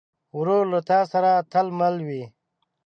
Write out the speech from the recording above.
ورور له تا سره تل مل وي.